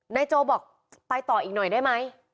โจบอกไปต่ออีกหน่อยได้ไหม